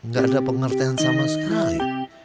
gak ada pengertian sama sekali